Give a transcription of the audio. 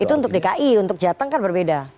itu untuk dki untuk jateng kan berbeda